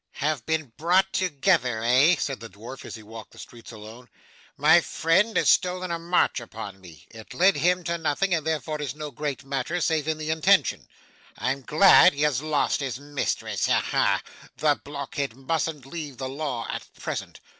'Have been brought together, eh?' said the dwarf as he walked the streets alone. 'My friend has stolen a march upon me. It led him to nothing, and therefore is no great matter, save in the intention. I'm glad he has lost his mistress. Ha ha! The blockhead mustn't leave the law at present.